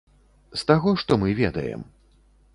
З таго, што мы ведаем.